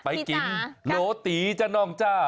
ไปกินโรติจ้ะน้องจ้ะ